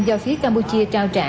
do phía campuchia trao trả